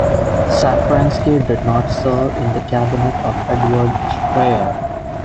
Shafransky did not serve in the cabinet of Edward Schreyer.